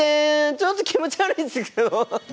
ちょっと気持ち悪いんですけど。